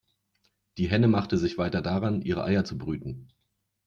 Die Henne machte sich weiter daran, ihre Eier zu brüten.